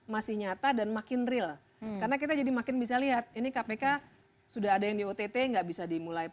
masih nyata dan makin real